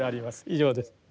以上です。